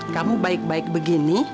kamu baik baik begini